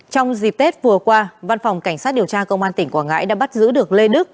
trong dịp tết vừa qua văn phòng cảnh sát điều tra công an tỉnh quảng ngãi đã bắt giữ được lê đức